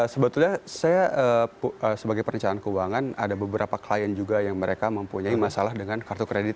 sebetulnya saya sebagai perencanaan keuangan ada beberapa klien juga yang mereka mempunyai masalah dengan kartu kredit